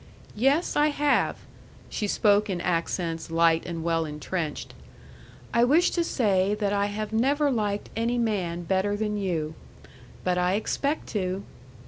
"Yes; I have." She spoke in accents light and well intrenched. "I wish to say that I have never liked any man better than you. But I expect to!"